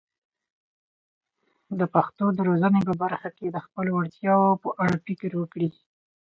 د پښتو د روزنې په برخه کې د خپلو اړتیاوو په اړه فکر وکړي.